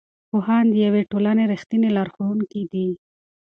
پوهان د یوې ټولنې رښتیني لارښوونکي دي.